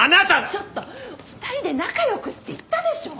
ちょっと２人で仲良くって言ったでしょ！